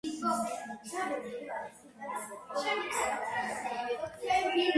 ლუკა საუკეთესო მეკარე